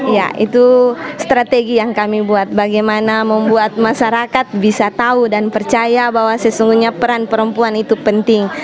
ya itu strategi yang kami buat bagaimana membuat masyarakat bisa tahu dan percaya bahwa sesungguhnya peran perempuan itu penting